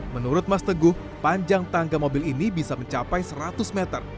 menurut mas teguh panjang tangga mobil ini bisa mencapai seratus meter